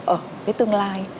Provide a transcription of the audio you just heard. ở cái tương lai